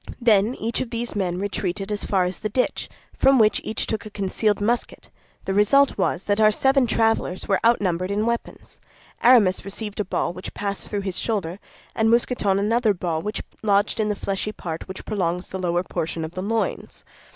Then each of these men retreated as far as the ditch, from which each took a concealed musket; the result was that our seven travelers were outnumbered in weapons. Aramis received a ball which passed through his shoulder, and Mousqueton another ball which lodged in the fleshy part which prolongs the lower portion of the loins.